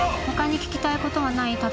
他に聞きたいことはない？